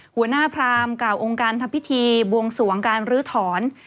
พรามกล่าวองค์การทำพิธีบวงสวงการลื้อถอน